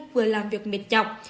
vừa làm việc mệt nhọc